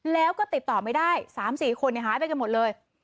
แล้วก็ติดต่อไม่ได้สามสี่คนเนี่ยหายไปกันหมดเลย